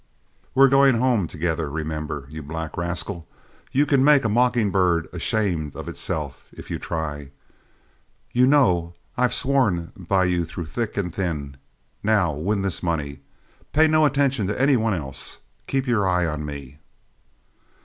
We're going home together, remember. You black rascal, you can make a mocking bird ashamed of itself if you try. You know I've swore by you through thick and thin; now win this money. Pay no attention to any one else. Keep your eye on me."